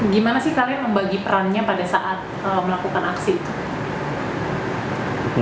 gimana sih kalian membagi perannya pada saat melakukan aksi itu